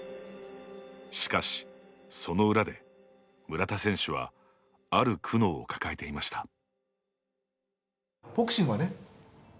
しかし、その裏で村田選手はある苦悩を抱えていました。